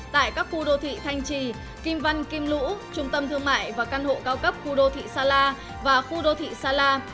tại các khu đô thị thanh trì kim văn kim lũ trung tâm thương mại và căn hộ cao cấp khu đô thị sa la và khu đô thị sa la